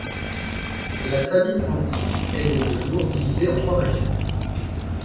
La Sabine antique est de nos jours divisée en trois régions.